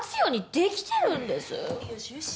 よしよし。